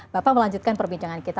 bapak melanjutkan perbincangan kita